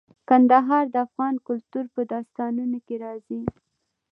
کندهار د افغان کلتور په داستانونو کې راځي.